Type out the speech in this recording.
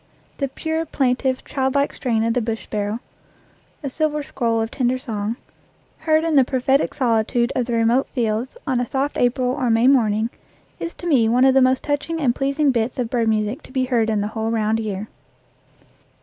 The pure, plaintive, child like strain of the bush sparrow a silver scroll of tender song heard in the prophetic solitude of the remote fields on a soft April or May morning is to me one of the most touching and pleasing bits of bird music to be heard in the whole round year.